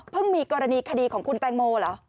มีกรณีคดีของคุณแตงโมเหรอ